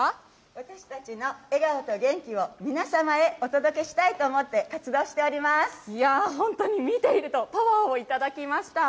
私たちの笑顔と元気を皆様へお届けしたいと思って活動しておいやー、本当に見ているとパワーを頂きました。